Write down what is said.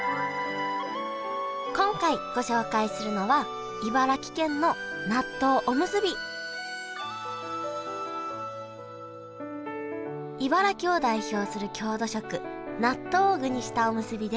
今回ご紹介するのは茨城を代表する郷土食納豆を具にしたおむすびです。